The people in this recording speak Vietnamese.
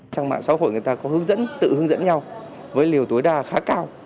trang mạng xã hội người ta có hướng dẫn tự hướng dẫn nhau với liều tối đa khá cao